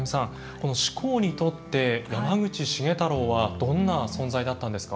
この志功にとって山口繁太郎はどんな存在だったんですか？